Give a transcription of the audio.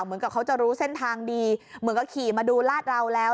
เหมือนกับเขาจะรู้เส้นทางดีเหมือนกับขี่มาดูลาดเราแล้ว